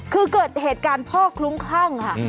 คือเกิดเหตุการณ์พ่อคลุ้มคลั่งค่ะ